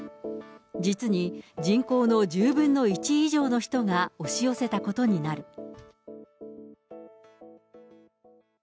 実に人口の１０分の１以上の人が押し寄せたことになる。